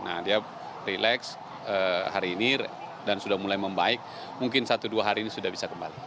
nah dia relax hari ini dan sudah mulai membaik mungkin satu dua hari ini sudah bisa kembali